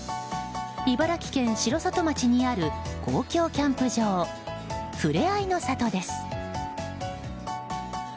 茨城県城里町にある公共キャンプ場ふれあいの里です。